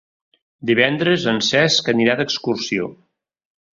Divendres en Cesc anirà d'excursió.